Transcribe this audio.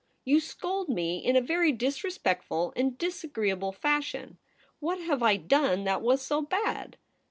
You scold me in a very disrespectful and dis agreeable fashion. What have I done that was so bad